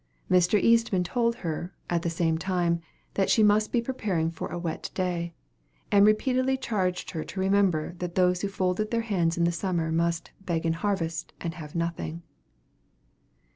Mr. Eastman told her, at the same time, that she must be preparing for a wet day; and repeatedly charged her to remember that those who folded their hands in the summer, must "beg in harvest, and have nothing."